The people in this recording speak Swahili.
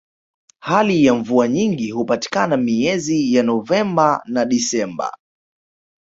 hali ya mvua nyingi hupatikana miezi ya novemba na desemba